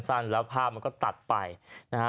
สั้นแล้วภาพมันก็ตัดไปนะฮะ